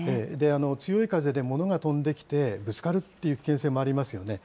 強い風で物が飛んできて、ぶつかるっていう危険性もありますよね。